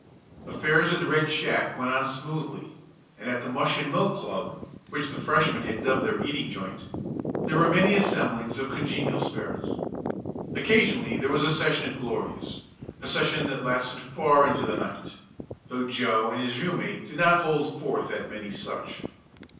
Affairs at the Red Shack went on smoothly, and at the Mush and Milk Club, which the Freshmen had dubbed their eating joint, there were many assemblings of congenial spirits. Occasionally there was a session at Glory's a session that lasted far into the night though Joe and his room mate did not hold forth at many such.